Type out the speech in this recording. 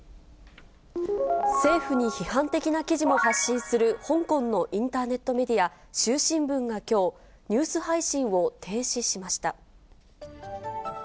政府に批判的な記事も発信する香港のインターネットメディア、衆新聞がきょう、ニュース配信を停止しました。